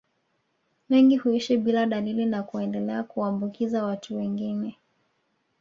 Wengi huishi bila dalili na kuendelea kuambukiza watu wengine